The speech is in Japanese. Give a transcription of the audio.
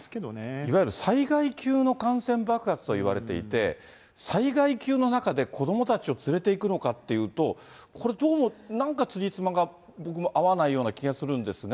いわゆる災害級の感染爆発といわれていて、災害級の中で子どもたちを連れていくのかっていうと、これどうも、なんかつじつまが僕も合わないような気がするんですが。